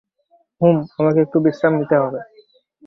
হুম, আমাকে একটু বিশ্রাম নিতে হবে।